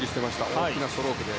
大きなストロークで。